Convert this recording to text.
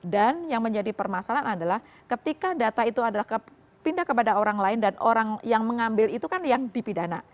dan yang menjadi permasalahan adalah ketika data itu adalah kepindah kepada orang lain dan orang yang mengambil itu kan yang dipidana